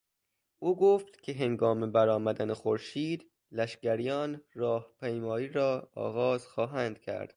او گفت که هنگام برآمدن خورشید لشگریان راه پیمایی را آغاز خواهند کرد.